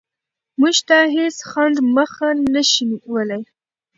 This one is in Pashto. موږ ته هېڅ خنډ مخه نشي نیولی.